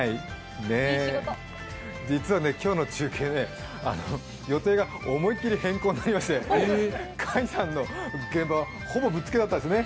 実は今日の中継ね、予定が思いっきり変更になりまして、甲斐さんの現場はほぼぶっつけだったんですよね。